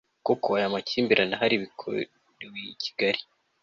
ko ayo makimbirane ahari bikorewe i kigali